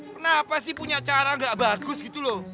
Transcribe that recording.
kenapa sih punya cara gak bagus gitu loh